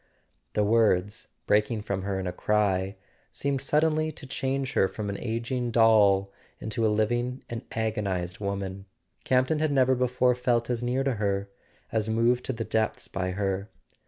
The words, breaking from her in a cry, seemed sud¬ denly to change her from an ageing doll into a living and agonized woman. Campton had never before felt as near to her, as moved to the depths by her.